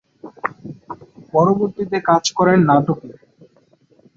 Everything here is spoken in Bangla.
পরবর্তীতে কাজ করেন নাটকে।